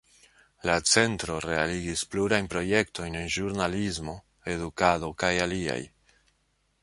La Centro realigis plurajn projektojn en ĵurnalismo, edukado kaj aliaj.